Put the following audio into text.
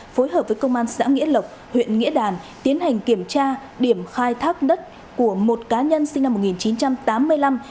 phối hợp với công an xã nghĩa lộc huyện nghĩa đàn tiến hành kiểm tra điểm khai thác đất của một cá nhân sinh năm một nghìn chín trăm tám mươi năm